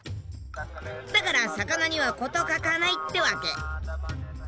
だから魚には事欠かないってわけ。